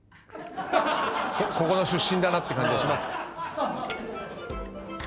ここの出身だなって感じがしますか。